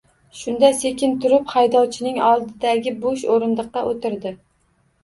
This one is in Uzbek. Shunda sekin turib, haydovchining oldidagi bo`sh o`rindiqqa o`tdi